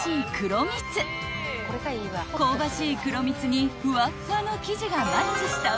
［香ばしい黒蜜にふわっふわの生地がマッチした］